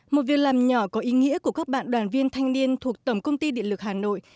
một việc làm nhỏ có ý nghĩa của các bạn đoàn viên thanh niên thuộc tổng công ty điện lực hà nội